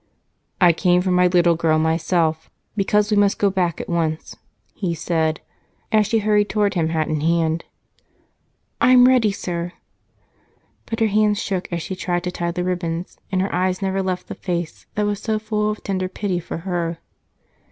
"I came for my little girl myself, because we must go back at once," he said as she hurried toward him hat in hand. "I'm ready, sir." But her hands shook as she tried to tie the ribbons, and her eyes never left the face that was full of tender pity for her.